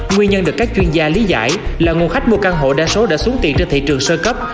nguyên nhân được các chuyên gia lý giải là nguồn khách mua căn hộ đa số đã xuống tiền trên thị trường sơ cấp